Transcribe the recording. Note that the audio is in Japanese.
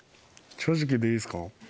正直言っていいですか？